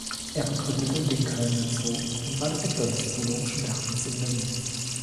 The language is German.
Er begründete den Kölner Zoo und war Direktor des Zoologischen Gartens in Berlin.